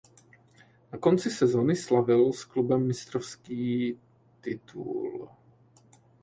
Na konci sezóny slavil s klubem mistrovský titul.